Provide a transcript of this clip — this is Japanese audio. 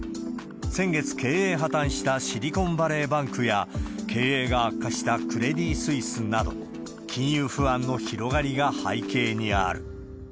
先月、経営破綻したシリコンバレーバンクや、経営が悪化したクレディ・スイスなど、金融不安の広がりが背景にある。